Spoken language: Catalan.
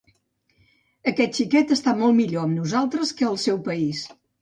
Aquest xiquet està molt millor amb nosaltres que al seu país.